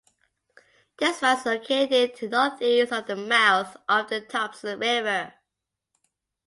This mouth is located northeast of the mouth of the Thompson River.